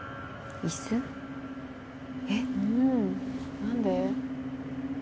何で？